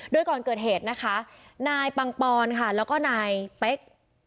โดยก่อนเกิดเหตุนะคะนายปังปอนค่ะแล้วก็นายเป๊ก